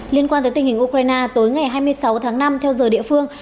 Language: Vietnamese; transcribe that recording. liên quan tới tình hình ukraine tối ngày hai mươi sáu tháng năm theo giờ địa phương